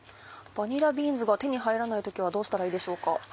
バニラビーンズが手に入らない時はどうしたらいいでしょうか？